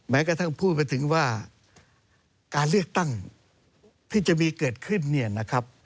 แม้กระทั่งพูดไปถึงว่าการเลือกตั้งที่จะมีเกิดขึ้นเนี่ยนะครับ